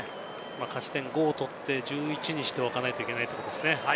勝ち点５を取って１１にしておかなきゃいけないというところですね。